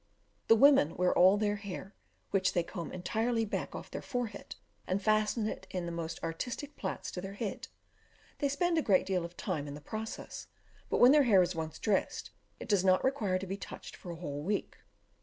The women wear all their hair, which they comb entirely back off their forehead, and fasten it in most artistic plaits to the head; they spend a great deal of time in the process, but when their hair is once dressed, it does not require to be touched for a whole week.